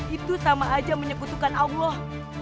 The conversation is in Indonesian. itu sama aja menyekutukan allah